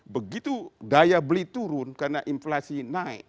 begitu daya beli turun karena inflasi naik